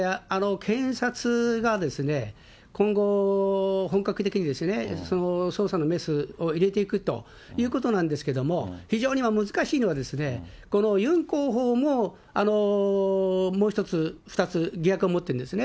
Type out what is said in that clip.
検察が今後、本格的に捜査のメスを入れていくということなんですけれども、非常に難しいのは、このユン候補も、もう一つ、二つ、疑惑を持ってるんですね。